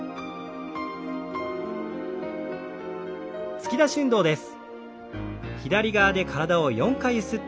突き出し運動です。